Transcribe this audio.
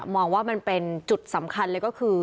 มองว่ามันเป็นจุดสำคัญคือ